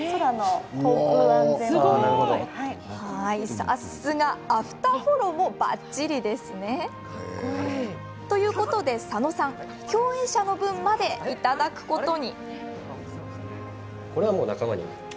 さすが、アフターフォローもばっちりです。ということで佐野さん共演者の分までいただくことに。